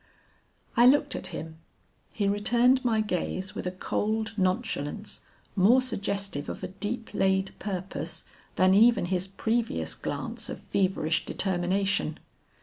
"I looked at him; he returned my gaze with a cold nonchalence more suggestive of a deep laid purpose, than even his previous glance of feverish determination.